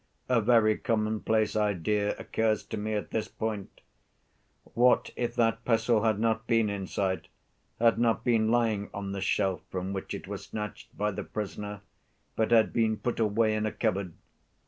A very commonplace idea occurs to me at this point: What if that pestle had not been in sight, had not been lying on the shelf from which it was snatched by the prisoner, but had been put away in a cupboard?